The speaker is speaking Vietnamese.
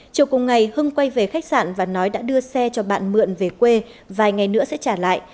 chiều cùng ngày hưng quay về khách sạn và nói đã đưa xe cho bạn mượn về quê vài ngày nữa sẽ trả lại